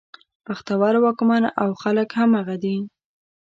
بختور واکمن او خلک همغه دي.